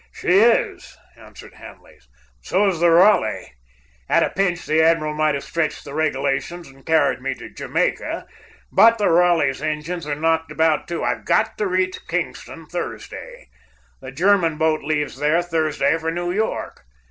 "She is," answered Hanley. "So's the Raleigh. At a pinch, the admiral might have stretched the regulations and carried me to Jamaica, but the Raleigh's engines are knocked about too. I've GOT to reach Kingston Thursday. The German boat leaves there Thursday for New York.